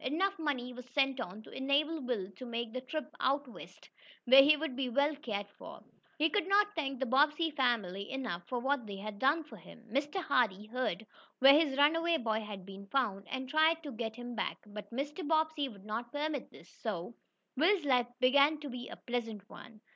Enough money was sent on to enable Will to make the trip out west, where he would be well cared for. He could not thank the Bobbsey family enough for what they had done for him. Mr. Hardee heard where his runaway boy had been found, and tried to get him back, but Mr. Bobbsey would not permit this. So Will's life began to be a pleasant one.